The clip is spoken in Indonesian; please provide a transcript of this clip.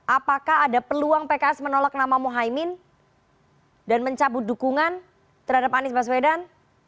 apakah ada peluang pks menolak nama muhaymin dan mencabut dukungan terhadap anies baswedan